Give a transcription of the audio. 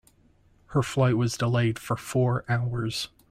Her flight was delayed for four hours.